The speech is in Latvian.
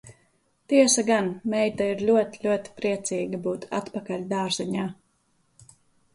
Tiesa gan, meita ir ļoti, ļoti priecīga būt atpakaļ dārziņā.